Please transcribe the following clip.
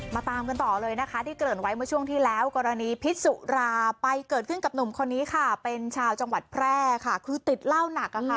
ตามกันต่อเลยนะคะที่เกริ่นไว้เมื่อช่วงที่แล้วกรณีพิษสุราไปเกิดขึ้นกับหนุ่มคนนี้ค่ะเป็นชาวจังหวัดแพร่ค่ะคือติดเหล้าหนักอะค่ะ